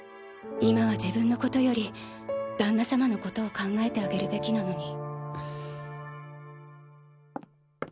今は自分のことより旦那様のことを考えてあげるべきなのに。